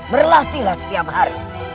berlatihlah setiap hari